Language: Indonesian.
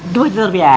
dua juta rupiah